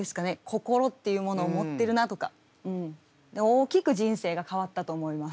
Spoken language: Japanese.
心っていうものを持ってるなとかうん。大きく人生が変わったと思います。